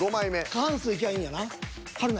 過半数いきゃいいんやな。